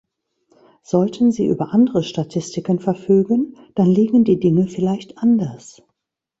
Sollten Sie über andere Statistiken verfügen, dann liegen die Dinge vielleicht anders.